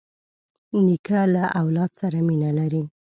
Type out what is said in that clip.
نیکه له اولاد سره مینه لري.